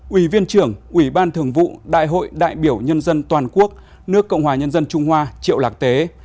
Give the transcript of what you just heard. ủy viên trưởng ủy ban thường vụ đại hội đại biểu nhân dân toàn quốc nước cộng hòa nhân dân trung hoa triệu lạc tế